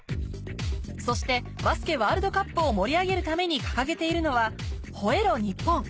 そしてバスケワールドカップを盛り上げるために掲げているのは「吼えろ！ニッポン」